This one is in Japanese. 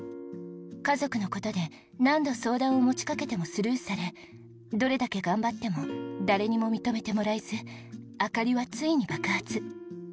家族の事で何度相談を持ちかけてもスルーされどれだけ頑張っても誰にも認めてもらえず灯はついに爆発。